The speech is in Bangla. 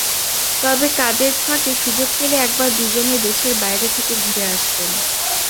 তবে কাজের ফাঁকে সুযোগ পেলে একবার দুজনে দেশের বাইরে থেকে ঘুরে আসবেন।